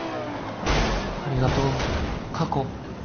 ありがとう過去